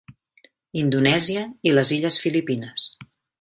Indonèsia i les illes Filipines.